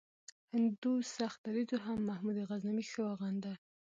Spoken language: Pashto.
هندو سخت دریځو هم محمود غزنوي ښه وغنده.